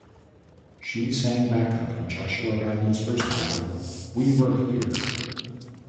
She sang backup on Joshua Radin's first album "We Were Here".